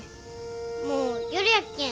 もう夜やっけん